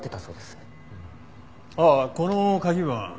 ああこの鍵は？